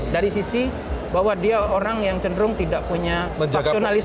dari sisi bahwa dia orang yang cenderung tidak punya